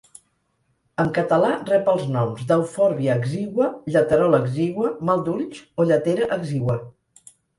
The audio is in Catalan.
En català rep els noms d'eufòrbia exigua, lleterola exigua, mal d'ulls o lletera exigua.